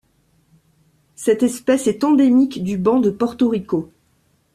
Cette espèce est endémique du banc de Porto Rico.